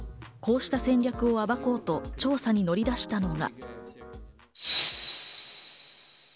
こうした戦略を暴こうと調査に乗り出したのが。